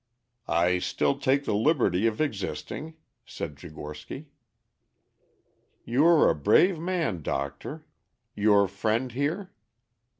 "I still take the liberty of existing," said Tchigorsky. "You are a brave man, doctor. Your friend here?"